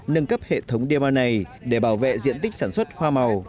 nâng cấp hệ thống đê bao này để bảo vệ diện tích sản xuất hoa màu